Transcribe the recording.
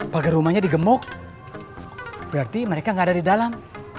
pager rumahnya digembok berarti mereka gak ada di dalam